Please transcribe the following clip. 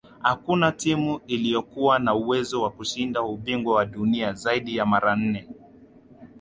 hakuna timu iliyokuwa na uwezo wa kushinda ubingwa wa dunia zaidi ya mara nne